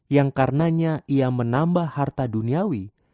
yang karenanya ia menambah harta duniawi